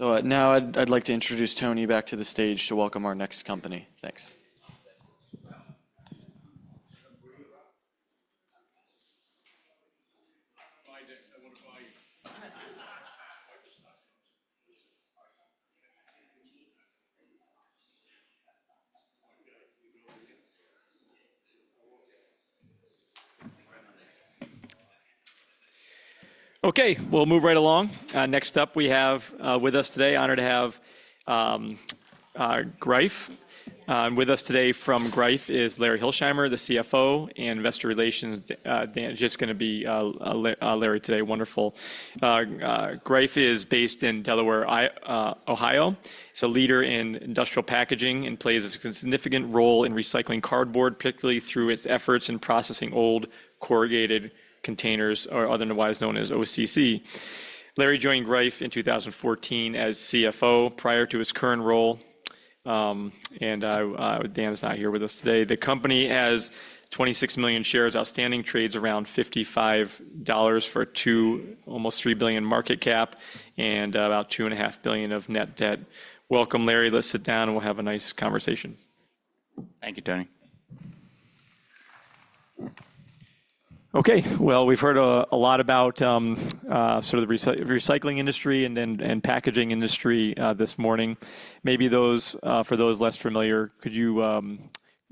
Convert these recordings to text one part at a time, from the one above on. Now I'd like to introduce Tony back to the stage to welcome our next company. Thanks. Okay, we'll move right along. Next up we have with us today, honored to have Greif. With us today from Greif is Larry Hilsheimer, the CFO and Investor Relations. Dan is just going to be Larry today. Wonderful. Greif is based in Delaware, Ohio. It's a leader in industrial packaging and plays a significant role in recycling cardboard, particularly through its efforts in processing old corrugated containers, otherwise known as OCC. Larry joined Greif in 2014 as CFO prior to his current role. Dan is not here with us today. The company has 26 million shares outstanding, trades around $55 for almost $3 billion market cap and about $2.5 billion of net debt. Welcome, Larry. Let's sit down and we'll have a nice conversation. Thank you, Tony. Okay, we have heard a lot about sort of the recycling industry and packaging industry this morning. Maybe for those less familiar, could you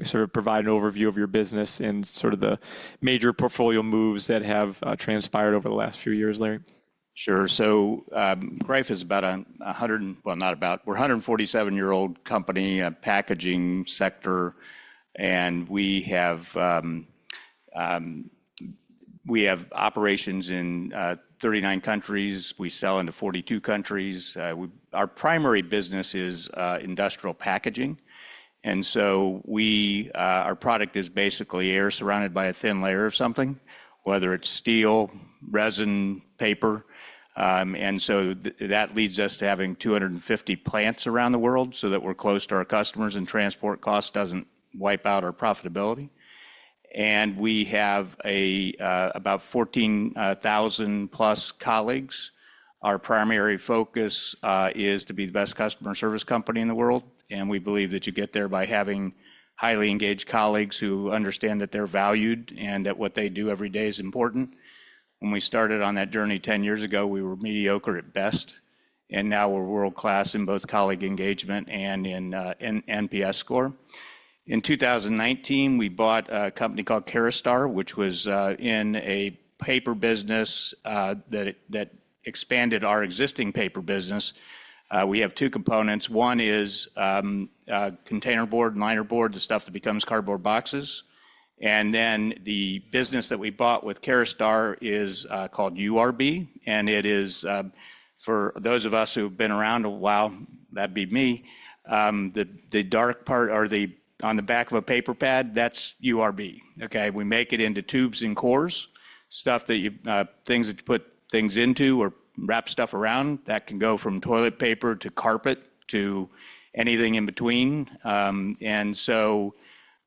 sort of provide an overview of your business and sort of the major portfolio moves that have transpired over the last few years, Larry? Sure. Greif is about a hundred, well, not about, we're a 147-year-old company, packaging sector, and we have operations in 39 countries. We sell into 42 countries. Our primary business is industrial packaging. Our product is basically air surrounded by a thin layer of something, whether it's steel, resin, paper. That leads us to having 250 plants around the world so that we're close to our customers and transport costs do not wipe out our profitability. We have about 14,000 plus colleagues. Our primary focus is to be the best customer service company in the world. We believe that you get there by having highly engaged colleagues who understand that they're valued and that what they do every day is important. When we started on that journey 10 years ago, we were mediocre at best. Now we're world-class in both colleague engagement and in NPS score. In 2019, we bought a company called Caraustar, which was in a paper business that expanded our existing paper business. We have two components. One is container board, liner board, the stuff that becomes cardboard boxes. The business that we bought with Caraustar is called URB. It is, for those of us who've been around a while, that'd be me, the dark part or the on the back of a paper pad, that's URB. Okay? We make it into tubes and cores, stuff that you put things into or wrap stuff around that can go from toilet paper to carpet to anything in between.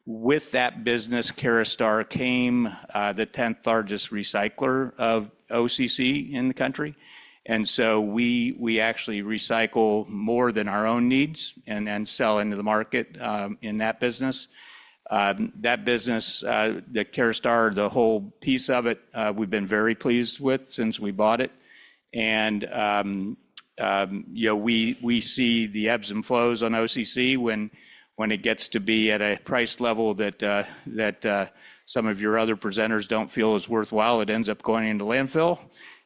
With that business, Caraustar became the 10th largest recycler of OCC in the country. We actually recycle more than our own needs and then sell into the market in that business. That business, the Caraustar, the whole piece of it, we've been very pleased with since we bought it. We see the ebbs and flows on OCC when it gets to be at a price level that some of your other presenters do not feel is worthwhile. It ends up going into landfill.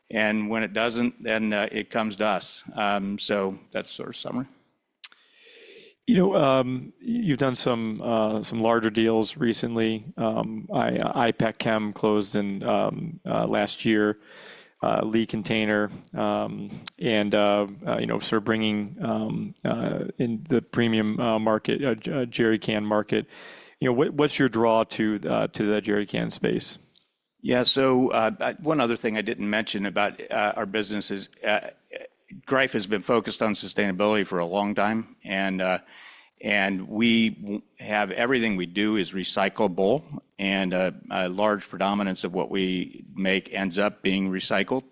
When it does not, then it comes to us. That is sort of summary. You know, you've done some larger deals recently. IPACKCHEM closed in last year, Lee Container, and sort of bringing in the premium market, Jerry Can market. What's your draw to the Jerry Can space? Yeah, so one other thing I didn't mention about our business is Greif has been focused on sustainability for a long time. Everything we do is recyclable. A large predominance of what we make ends up being recycled.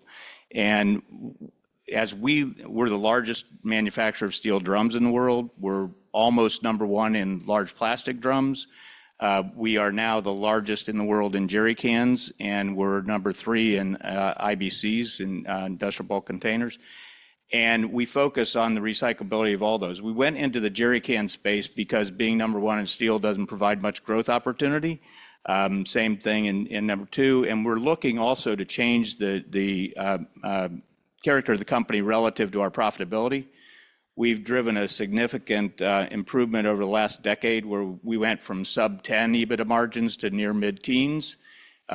As we were the largest manufacturer of steel drums in the world, we're almost number one in large plastic drums. We are now the largest in the world in Jerry Cans, and we're number three in IBCs in industrial bulk containers. We focus on the recyclability of all those. We went into the Jerry Can space because being number one in steel doesn't provide much growth opportunity. Same thing in number two. We're looking also to change the character of the company relative to our profitability. We've driven a significant improvement over the last decade where we went from sub-10% EBITDA margins to near mid-teens.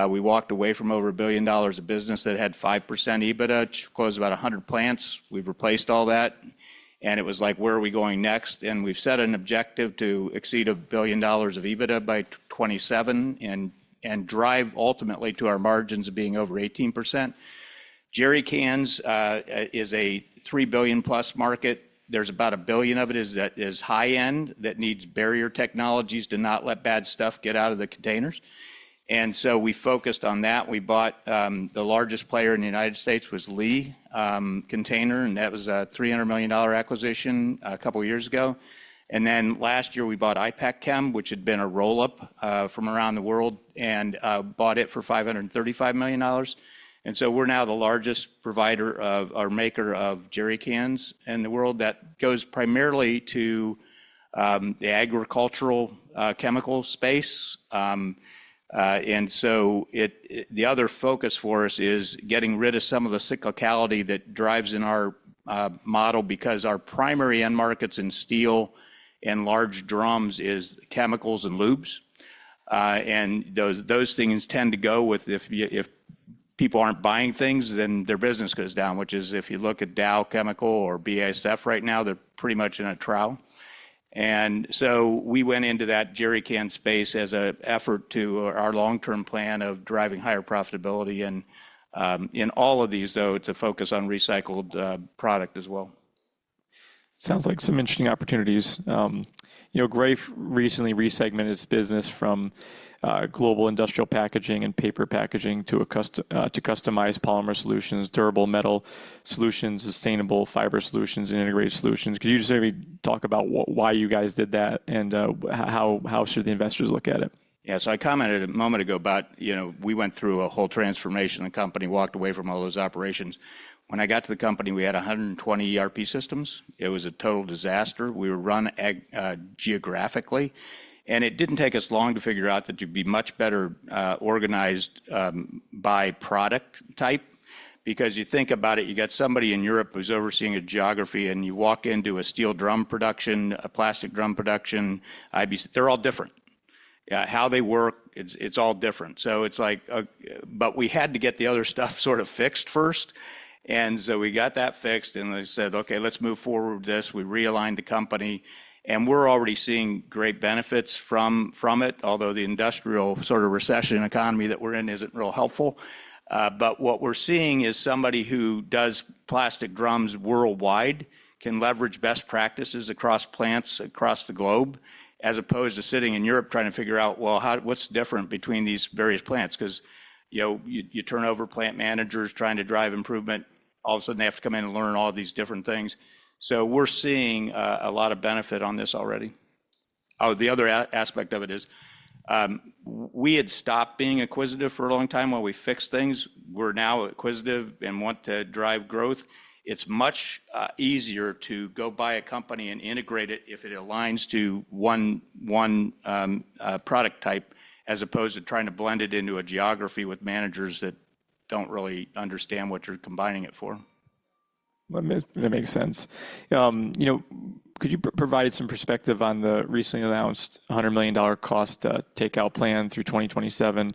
We walked away from over a billion dollars of business that had 5% EBITDA, closed about 100 plants. We have replaced all that. It was like, where are we going next? We have set an objective to exceed a billion dollars of EBITDA by 2027 and drive ultimately to our margins of being over 18%. Jerry Cans is a $3 billion plus market. There is about a billion of it that is high-end that needs barrier technologies to not let bad stuff get out of the containers. We focused on that. We bought the largest player in the United States, which was Lee Container, and that was a $300 million acquisition a couple of years ago. Last year we bought IPACKCHEM, which had been a roll-up from around the world, and bought it for $535 million. We are now the largest provider or maker of Jerry Cans in the world. That goes primarily to the agricultural chemical space. The other focus for us is getting rid of some of the cyclicality that drives in our model because our primary end markets in steel and large drums is chemicals and lubes. Those things tend to go with if people are not buying things, then their business goes down, which is if you look at Dow Chemical or BASF right now, they are pretty much in a trial. We went into that Jerry Can space as an effort to our long-term plan of driving higher profitability. In all of these, though, it is a focus on recycled product as well. Sounds like some interesting opportunities. Greif recently resegmented its business from global industrial packaging and paper packaging to customized polymer solutions, durable metal solutions, sustainable fiber solutions, and integrated solutions. Could you just maybe talk about why you guys did that and how should the investors look at it? Yeah, so I commented a moment ago about we went through a whole transformation. The company walked away from all those operations. When I got to the company, we had 120 ERP systems. It was a total disaster. We were run geographically. It didn't take us long to figure out that you'd be much better organized by product type because you think about it, you got somebody in Europe who's overseeing a geography, and you walk into a steel drum production, a plastic drum production, IBC, they're all different. How they work, it's all different. It's like, but we had to get the other stuff sort of fixed first. We got that fixed and they said, okay, let's move forward with this. We realigned the company and we're already seeing great benefits from it, although the industrial sort of recession economy that we're in isn't real helpful. What we're seeing is somebody who does plastic drums worldwide can leverage best practices across plants across the globe as opposed to sitting in Europe trying to figure out, well, what's different between these various plants? You turn over plant managers trying to drive improvement, all of a sudden they have to come in and learn all these different things. We are seeing a lot of benefit on this already. Oh, the other aspect of it is we had stopped being inquisitive for a long time while we fixed things. We're now inquisitive and want to drive growth. It's much easier to go buy a company and integrate it if it aligns to one product type as opposed to trying to blend it into a geography with managers that don't really understand what you're combining it for. That makes sense. Could you provide some perspective on the recently announced $100 million cost takeout plan through 2027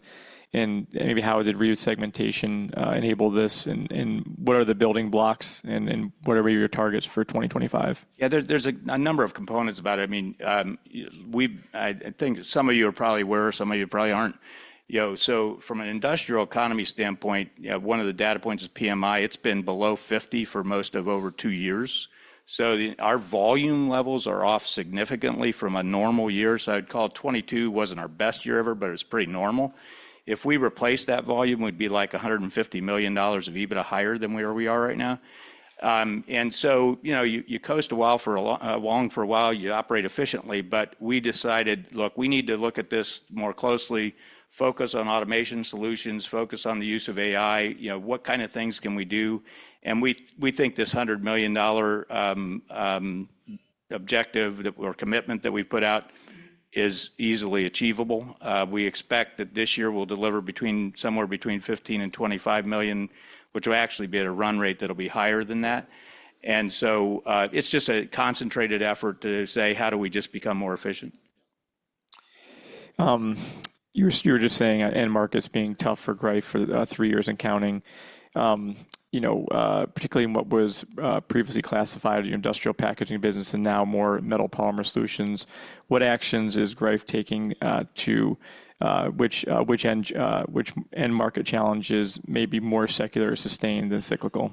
and maybe how did re-segmentation enable this and what are the building blocks and what are your targets for 2025? Yeah, there's a number of components about it. I mean, I think some of you are probably aware, some of you probably aren't. From an industrial economy standpoint, one of the data points is PMI. It's been below 50 for most of over two years. Our volume levels are off significantly from a normal year. I'd call 2022 wasn't our best year ever, but it's pretty normal. If we replace that volume, we'd be like $150 million of EBITDA higher than where we are right now. You coast a while for a long for a while, you operate efficiently, but we decided, look, we need to look at this more closely, focus on automation solutions, focus on the use of AI. What kind of things can we do? We think this $100 million objective or commitment that we've put out is easily achievable. We expect that this year we'll deliver somewhere between $15 million and $25 million, which will actually be at a run rate that'll be higher than that. It is just a concentrated effort to say, how do we just become more efficient? You were just saying end markets being tough for Greif for three years and counting, particularly in what was previously classified as your industrial packaging business and now more metal polymer solutions. What actions is Greif taking to which end market challenges may be more secular, sustained, and cyclical?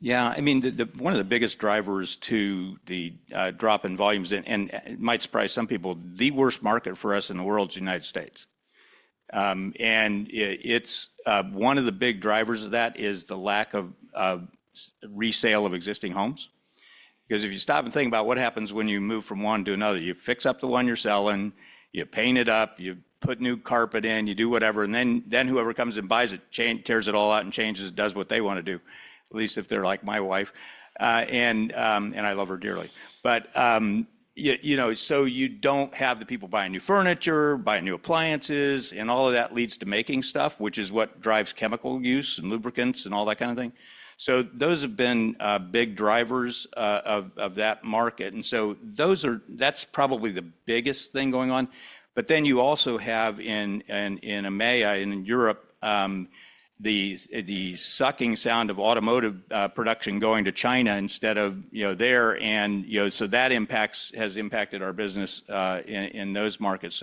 Yeah, I mean, one of the biggest drivers to the drop in volumes, and it might surprise some people, the worst market for us in the world is the U.S. One of the big drivers of that is the lack of resale of existing homes. If you stop and think about what happens when you move from one to another, you fix up the one you are selling, you paint it up, you put new carpet in, you do whatever, and whoever comes and buys it tears it all out and changes it, does what they want to do, at least if they are like my wife. I love her dearly. You do not have the people buying new furniture, buying new appliances, and all of that leads to making stuff, which is what drives chemical use and lubricants and all that kind of thing. Those have been big drivers of that market. That is probably the biggest thing going on. You also have, in EMEA, in Europe, the sucking sound of automotive production going to China instead of there. That has impacted our business in those markets.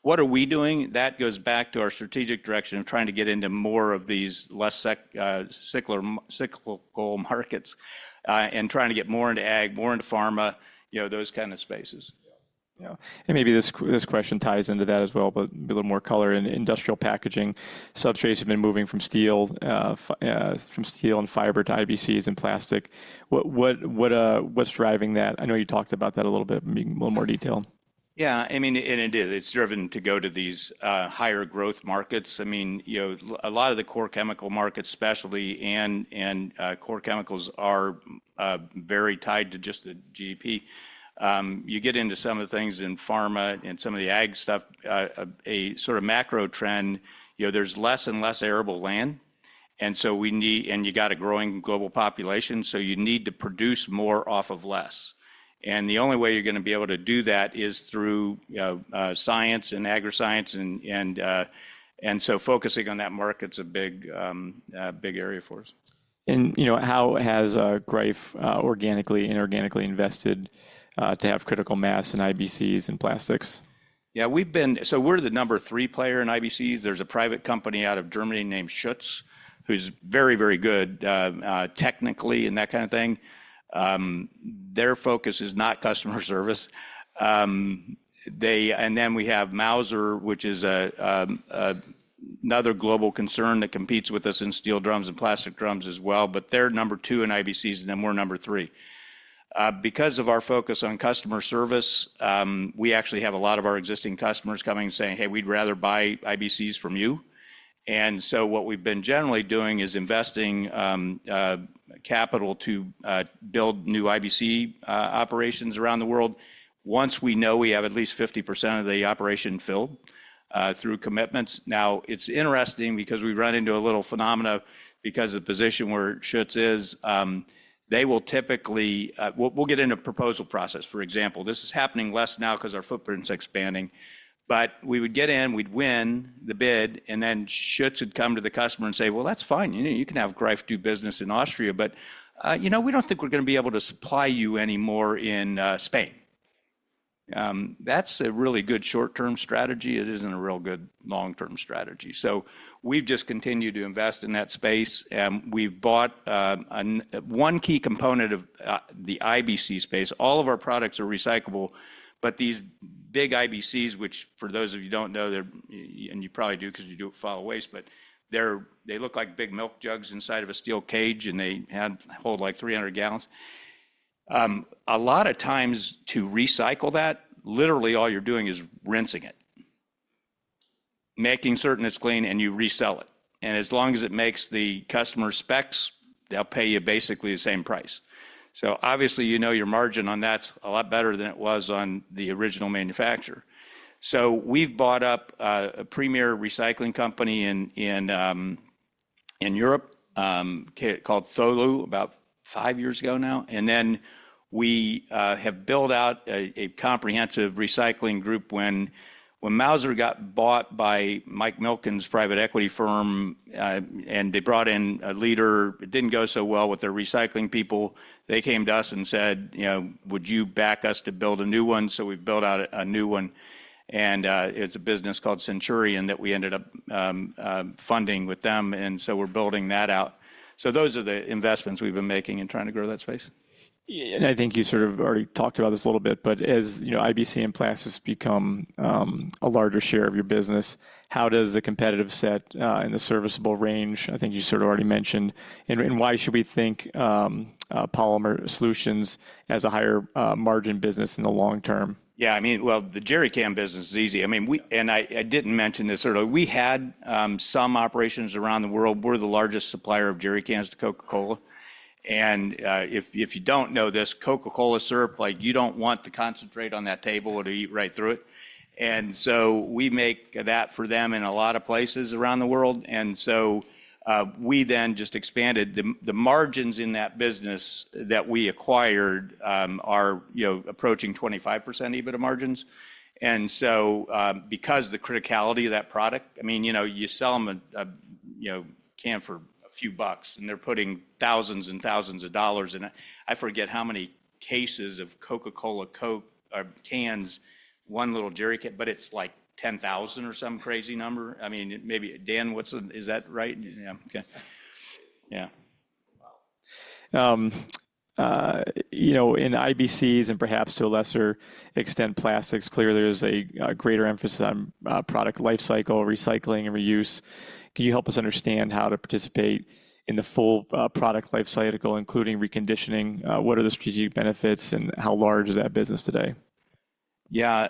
What are we doing? That goes back to our strategic direction of trying to get into more of these less cyclical markets and trying to get more into ag, more into pharma, those kinds of spaces. Yeah. Maybe this question ties into that as well, but a little more color in industrial packaging. Substrates have been moving from steel and fiber to IBCs and plastic. What's driving that? I know you talked about that a little bit in a little more detail. Yeah, I mean, and it is. It's driven to go to these higher growth markets. I mean, a lot of the core chemical markets, especially core chemicals, are very tied to just the GDP. You get into some of the things in pharma and some of the ag stuff, a sort of macro trend, there's less and less arable land. You got a growing global population, so you need to produce more off of less. The only way you're going to be able to do that is through science and agri-science. Focusing on that market's a big area for us. How has Greif organically, inorganically invested to have critical mass in IBCs and plastics? Yeah, so we're the number three player in IBCs. There's a private company out of Germany named Schütz, who's very, very good technically and that kind of thing. Their focus is not customer service. Then we have Mauser, which is another global concern that competes with us in steel drums and plastic drums as well. They're number two in IBCs, and then we're number three. Because of our focus on customer service, we actually have a lot of our existing customers coming and saying, "Hey, we'd rather buy IBCs from you." What we've been generally doing is investing capital to build new IBC operations around the world once we know we have at least 50% of the operation filled through commitments. Now, it's interesting because we run into a little phenomena because of the position where Schütz is. They will typically, we'll get into a proposal process, for example. This is happening less now because our footprint's expanding. We would get in, we'd win the bid, and then Schütz would come to the customer and say, "That's fine. You can have Greif do business in Austria, but we don't think we're going to be able to supply you anymore in Spain." That's a really good short-term strategy. It isn't a real good long-term strategy. We have just continued to invest in that space. We have bought one key component of the IBC space. All of our products are recyclable, but these big IBCs, which for those of you who don't know, and you probably do because you do it with foul waste, but they look like big milk jugs inside of a steel cage, and they hold like 300 gallons. A lot of times to recycle that, literally all you're doing is rinsing it, making certain it's clean, and you resell it. As long as it makes the customer specs, they'll pay you basically the same price. Obviously, you know your margin on that's a lot better than it was on the original manufacturer. We've bought up a premier recycling company in Europe called Tholu about five years ago now. We have built out a comprehensive recycling group. When Mauser got bought by Mike Milken's private equity firm and they brought in a leader, it didn't go so well with their recycling people. They came to us and said, "Would you back us to build a new one?" We've built out a new one. It's a business called Centurion that we ended up funding with them. We are building that out. Those are the investments we've been making and trying to grow that space. I think you sort of already talked about this a little bit, but as IBC and plastics become a larger share of your business, how does the competitive set and the serviceable range, I think you sort of already mentioned, and why should we think polymer solutions as a higher margin business in the long term? Yeah, I mean, the Jerry Can business is easy. I mean, and I did not mention this earlier, we had some operations around the world. We are the largest supplier of Jerry Cans to Coca-Cola. If you do not know this, Coca-Cola syrup, you do not want to concentrate on that table or it will eat right through it. We make that for them in a lot of places around the world. We then just expanded. The margins in that business that we acquired are approaching 25% EBITDA margins. Because of the criticality of that product, I mean, you sell them a can for a few bucks and they are putting thousands and thousands of dollars in it. I forget how many cases of Coca-Cola Coke or cans, one little Jerry Can, but it is like 10,000 or some crazy number. I mean, maybe Dan, is that right? Yeah. In IBCs and perhaps to a lesser extent plastics, clearly there's a greater emphasis on product life cycle, recycling, and reuse. Can you help us understand how to participate in the full product life cycle, including reconditioning? What are the strategic benefits and how large is that business today? Yeah,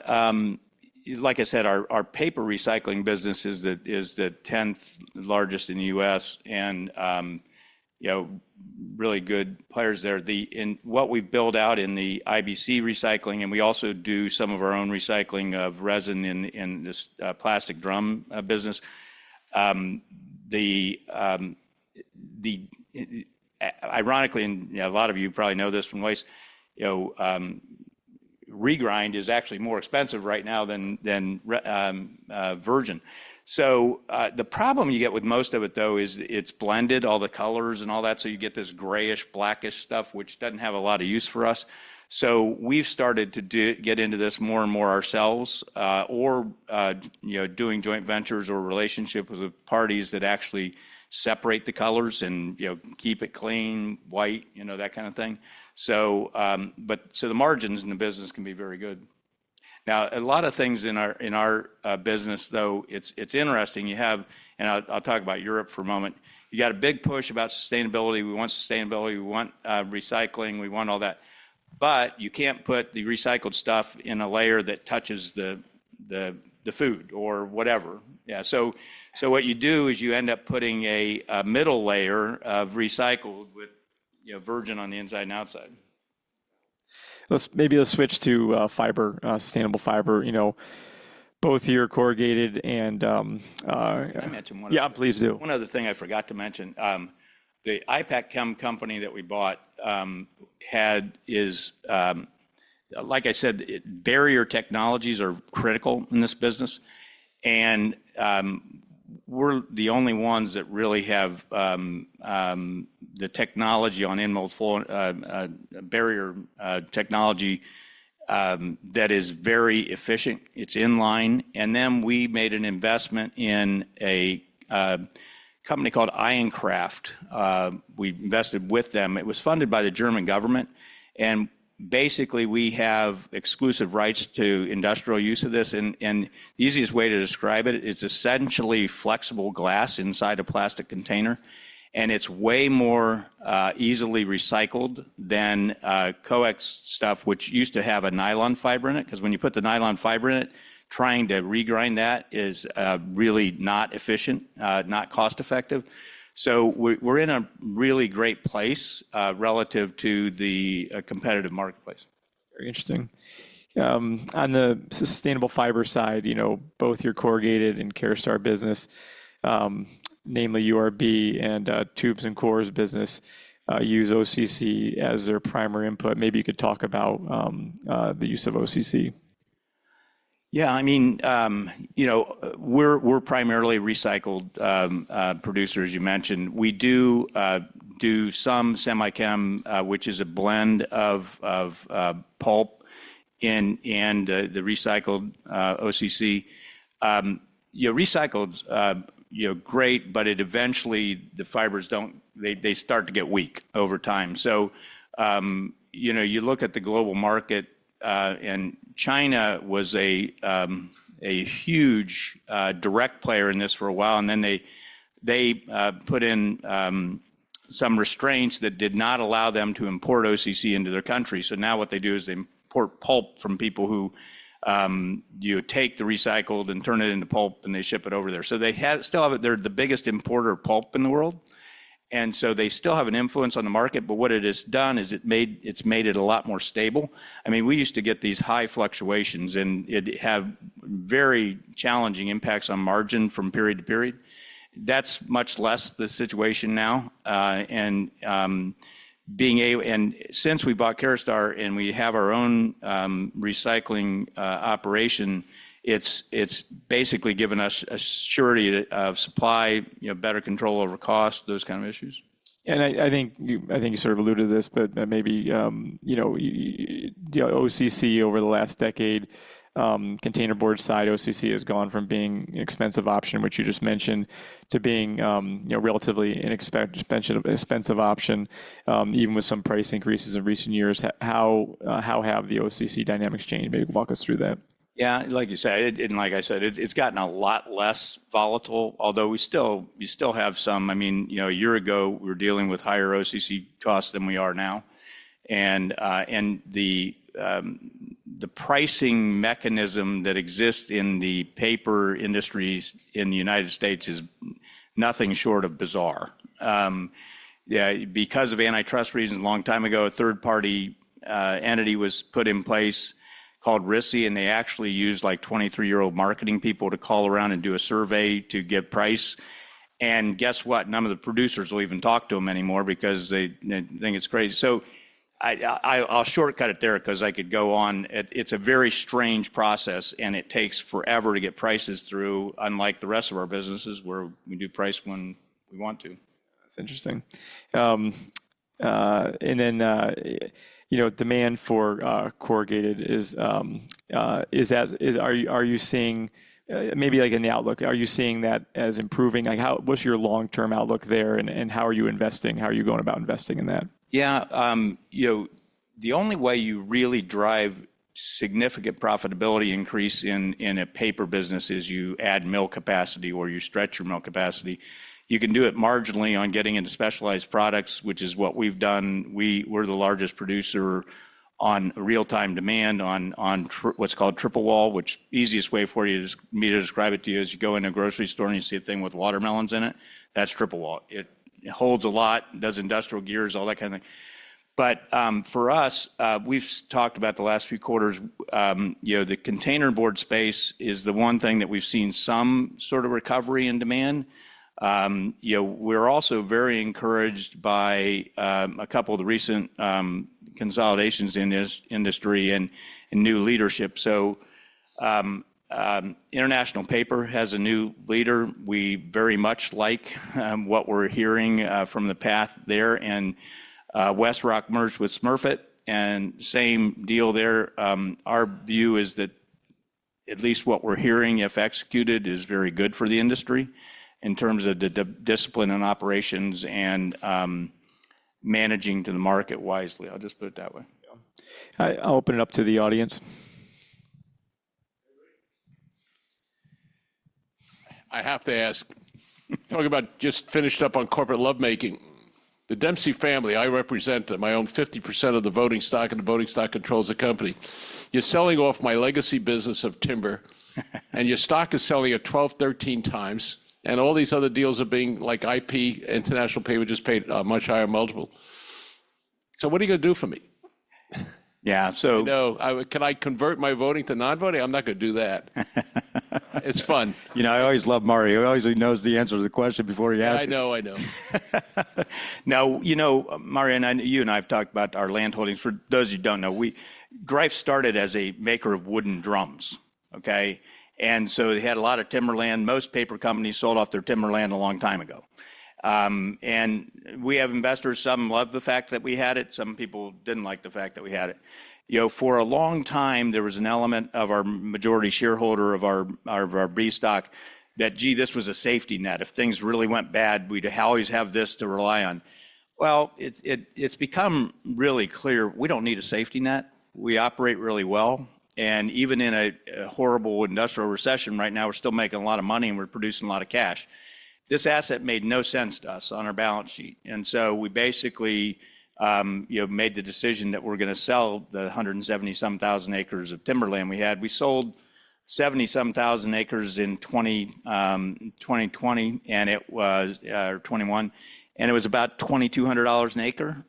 like I said, our paper recycling business is the 10th largest in the U.S. and really good players there. What we build out in the IBC recycling, and we also do some of our own recycling of resin in this plastic drum business. Ironically, and a lot of you probably know this from waste, regrind is actually more expensive right now than virgin. The problem you get with most of it though is it's blended, all the colors and all that. You get this grayish, blackish stuff, which doesn't have a lot of use for us. We've started to get into this more and more ourselves or doing joint ventures or relationships with parties that actually separate the colors and keep it clean, white, that kind of thing. The margins in the business can be very good. Now, a lot of things in our business though, it's interesting. I'll talk about Europe for a moment. You got a big push about sustainability. We want sustainability. We want recycling. We want all that. You can't put the recycled stuff in a layer that touches the food or whatever. What you do is you end up putting a middle layer of recycled with virgin on the inside and outside. Maybe let's switch to fiber, sustainable fiber. Both of you are corrugated and. Can I mention one of the. Yeah, please do. One other thing I forgot to mention. The IPACKCHEM company that we bought is, like I said, barrier technologies are critical in this business. We're the only ones that really have the technology on in-mold barrier technology that is very efficient. It's in line. We made an investment in a company called IonKraft. We invested with them. It was funded by the German government. Basically, we have exclusive rights to industrial use of this. The easiest way to describe it, it's essentially flexible glass inside a plastic container. It's way more easily recycled than coax stuff, which used to have a nylon fiber in it. Because when you put the nylon fiber in it, trying to regrind that is really not efficient, not cost-effective. We're in a really great place relative to the competitive marketplace. Very interesting. On the sustainable fiber side, both your corrugated and Caraustar business, namely URB and tubes and cores business, use OCC as their primary input. Maybe you could talk about the use of OCC. Yeah, I mean, we're primarily recycled producers, you mentioned. We do some semi-chem, which is a blend of pulp and the recycled OCC. Recycled's great, but eventually the fibers, they start to get weak over time. You look at the global market, and China was a huge direct player in this for a while. They put in some restraints that did not allow them to import OCC into their country. Now what they do is they import pulp from people who take the recycled and turn it into pulp and they ship it over there. They still have it. They're the biggest importer of pulp in the world. They still have an influence on the market. What it has done is it's made it a lot more stable. I mean, we used to get these high fluctuations and it had very challenging impacts on margin from period to period. That is much less the situation now. Since we bought Caraustar and we have our own recycling operation, it has basically given us a surety of supply, better control over cost, those kinds of issues. I think you sort of alluded to this, but maybe OCC over the last decade, containerboard side OCC has gone from being an expensive option, which you just mentioned, to being a relatively inexpensive option, even with some price increases in recent years. How have the OCC dynamics changed? Maybe walk us through that. Yeah, like you said, and like I said, it's gotten a lot less volatile, although we still have some. I mean, a year ago, we were dealing with higher OCC costs than we are now. The pricing mechanism that exists in the paper industries in the United States is nothing short of bizarre. Because of antitrust reasons a long time ago, a third-party entity was put in place called RISI, and they actually used like 23-year-old marketing people to call around and do a survey to get price. And guess what? None of the producers will even talk to them anymore because they think it's crazy. I'll shortcut it there because I could go on. It's a very strange process, and it takes forever to get prices through, unlike the rest of our businesses where we do price when we want to. That's interesting. Then demand for corrugated, are you seeing maybe like in the outlook, are you seeing that as improving? What's your long-term outlook there? How are you investing? How are you going about investing in that? Yeah, the only way you really drive significant profitability increase in a paper business is you add mill capacity or you stretch your mill capacity. You can do it marginally on getting into specialized products, which is what we've done. We're the largest producer on real-time demand on what's called triple wall, which the easiest way for you to describe it to you is you go into a grocery store and you see a thing with watermelons in it. That's triple wall. It holds a lot, does industrial gears, all that kind of thing. For us, we've talked about the last few quarters, the container board space is the one thing that we've seen some sort of recovery in demand. We're also very encouraged by a couple of the recent consolidations in this industry and new leadership. International Paper has a new leader. We very much like what we're hearing from the path there. WestRock merged with Smurfit and same deal there. Our view is that at least what we're hearing, if executed, is very good for the industry in terms of the discipline and operations and managing to the market wisely. I'll just put it that way. I'll open it up to the audience. I have to ask, talking about just finished up on corporate lovemaking, the Dempsey family, I represent my own 50% of the voting stock, and the voting stock controls the company. You're selling off my legacy business of timber, and your stock is selling at 12, 13 times, and all these other deals are being like IP, International Paper just paid a much higher multiple. What are you going to do for me? Yeah, so. Can I convert my voting to non-voting? I'm not going to do that. It's fun. You know, I always love Mario. He always knows the answer to the question before he asks it. I know, I know. Now, you know, Mario and I, you and I have talked about our land holdings. For those who do not know, Greif started as a maker of wooden drums. And so they had a lot of timberland. Most paper companies sold off their timberland a long time ago. And we have investors. Some love the fact that we had it. Some people did not like the fact that we had it. For a long time, there was an element of our majority shareholder of our B stock that, gee, this was a safety net. If things really went bad, we would always have this to rely on. It has become really clear. We do not need a safety net. We operate really well. Even in a horrible industrial recession right now, we are still making a lot of money and we are producing a lot of cash. This asset made no sense to us on our balance sheet. We basically made the decision that we're going to sell the 170-some thousand acres of timberland we had. We sold 70-some thousand acres in 2020 and it was 2021. It was about $2,200 an acre.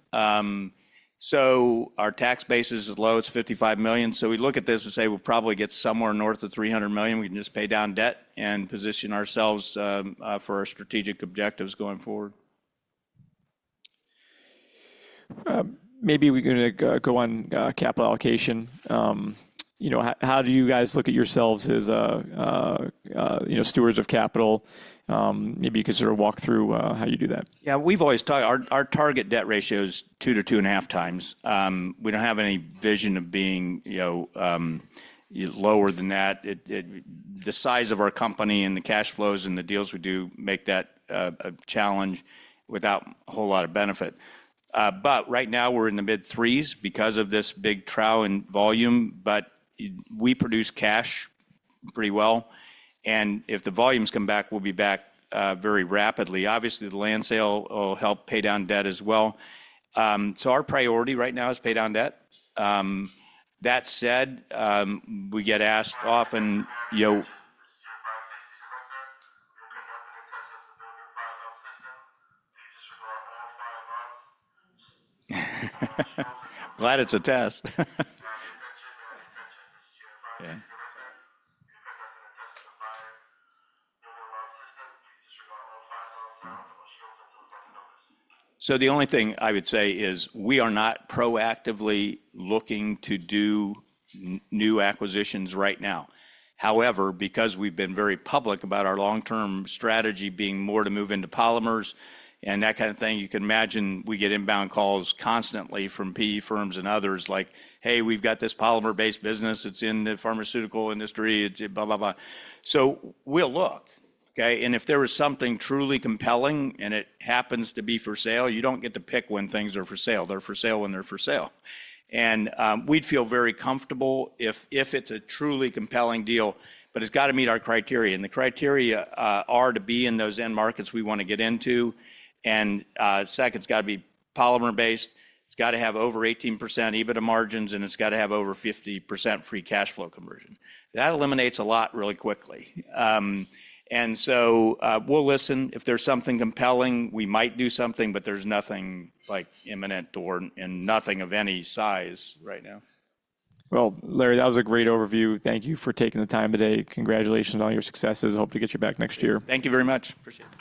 Our tax base is as low as $55 million. We look at this and say we'll probably get somewhere north of $300 million. We can just pay down debt and position ourselves for our strategic objectives going forward. Maybe we're going to go on capital allocation. How do you guys look at yourselves as stewards of capital? Maybe you could sort of walk through how you do that. Yeah, we've always taught our target debt ratio is 2x-2.5x. We don't have any vision of being lower than that. The size of our company and the cash flows and the deals we do make that a challenge without a whole lot of benefit. Right now we're in the mid-threes because of this big trough in volume, but we produce cash pretty well. If the volumes come back, we'll be back very rapidly. Obviously, the land sale will help pay down debt as well. Our priority right now is pay down debt. That said, we get asked often. Glad it's a test. The only thing I would say is we are not proactively looking to do new acquisitions right now. However, because we've been very public about our long-term strategy being more to move into polymers and that kind of thing, you can imagine we get inbound calls constantly from PE firms and others like, hey, we've got this polymer-based business. It's in the pharmaceutical industry, blah, blah, blah. We will look. If there was something truly compelling and it happens to be for sale, you do not get to pick when things are for sale. They are for sale when they are for sale. We would feel very comfortable if it is a truly compelling deal, but it has got to meet our criteria. The criteria are to be in those end markets we want to get into. Second, it has got to be polymer-based. It's got to have over 18% EBITDA margins, and it's got to have over 50% free cash flow conversion. That eliminates a lot really quickly. If there's something compelling, we might do something, but there's nothing like imminent and nothing of any size right now. Larry, that was a great overview. Thank you for taking the time today. Congratulations on your successes. Hope to get you back next year. Thank you very much. Appreciate it.